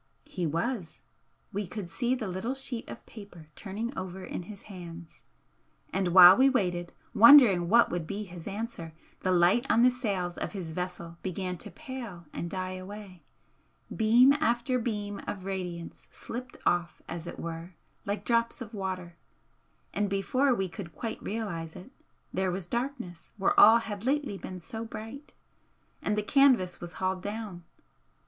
He was, we could see the little sheet of paper turning over in his hands. And while we waited, wondering what would be his answer, the light on the sails of his vessel began to pale and die away, beam after beam of radiance slipped off as it were like drops of water, and before we could quite realise it there was darkness where all had lately been so bright; and the canvas was hauled down.